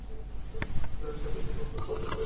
সুতরাং শান্তভাবে আমরা অপেক্ষা করিতে পারি।